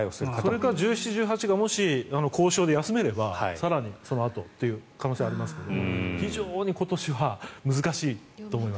それか１７、１８日が交渉で休めれば更にそのあとということもありますので非常に今年は難しいと思います。